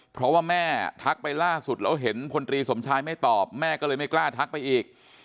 เพราะว่าแม่ทักไปล่าสุดแล้วเห็นพลตรีสมชายไม่ตอบแม่ก็เลยไม่กล้าทักไปอีก